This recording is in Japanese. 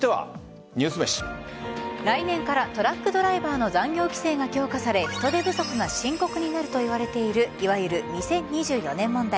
来年からトラックドライバーの残業規制が強化され人手不足が深刻になるといわれているいわゆる２０２４年問題。